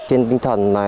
trên tinh thần